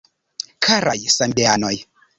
Karaj samideanoj!